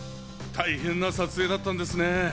大変な撮影だったんですね。